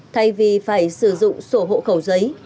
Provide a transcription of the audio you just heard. thay vì phải sử dụng sổ hỗ khẩu giấy